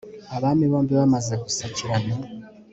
abami bombi bamaze gusakirana